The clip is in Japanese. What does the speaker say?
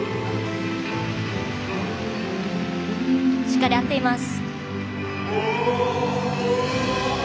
しっかり合っています。